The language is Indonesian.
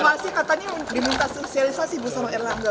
bakal dievaluasi katanya diminta sosialisasi busa dan erlangga